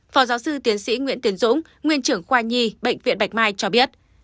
phó giáo sư tiến sĩ nguyễn tiến dũng nguyên trưởng khoa nhi bệnh viện bạch mai cho biết